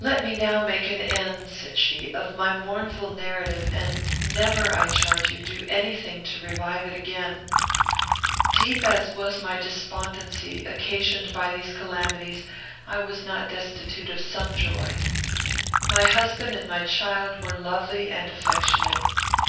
"Let me now make an end," said she, "of my mournful narrative, and never, I charge you, do any thing to revive it again. "Deep as was my despondency, occasioned by these calamities, I was not destitute of some joy. My husband and my child were lovely and affectionate.